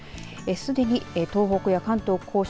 すでに東北や関東甲信